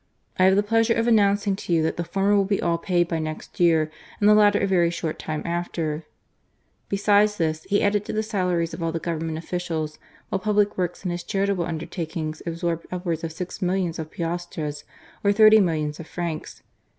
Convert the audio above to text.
I have the pleasure of announcing to you that the former will be all paid by next year, and the latter a very short time after." Besides this, he added to the salaries of all the Government officials; while public FINANCES AND PUBLIC WORKS. 251 works and his charitable undertakings absorbed upwards of six millions of piastres or thirty millions of francs.